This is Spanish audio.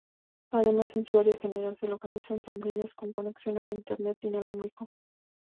Además, en su área general se localizan sombrillas con conexión a Internet inalámbrico.